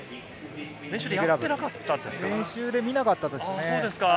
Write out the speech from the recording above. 練習で見なかったですね。